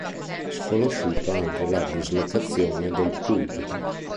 Sconosciuta anche la dislocazione del pulpito.